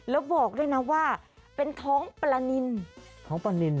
แล้วบอกด้วยนะว่าเป็นท้องปลานิน